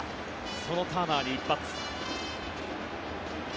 そのターナーに一発。